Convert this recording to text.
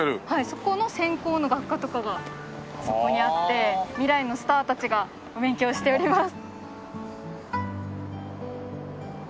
そこの専攻の学科とかがそこにあって未来のスターたちがお勉強しております。